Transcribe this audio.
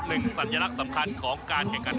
สัญลักษณ์สำคัญของการแข่งขัน